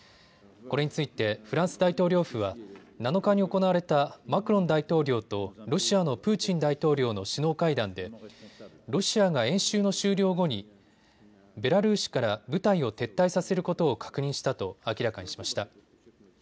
これについてフランス大統領府は７日に行われたマクロン大統領とロシアのプーチン大統領の首脳会談でロシアが演習の終了後にベラルーシから部隊を撤退させることを確認したと明らかにしました。